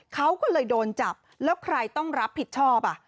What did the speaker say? เขาก็เลยโดนจับแล้วใครต้องรับผิดชอบ